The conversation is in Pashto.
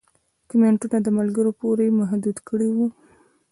کمنټونه د ملګرو پورې محدود کړي وو